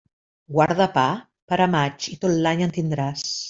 Guarda pa per a maig i tot l'any en tindràs.